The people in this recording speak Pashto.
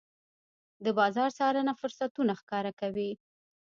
د بازار څارنه فرصتونه ښکاره کوي.